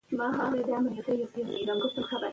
په افغانستان کې په پوره ډول زردالو شتون لري.